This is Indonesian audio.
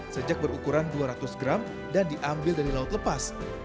sejak berukuran dua ratus gram dan diambil dari laut lepas